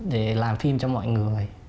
để làm phim cho mọi người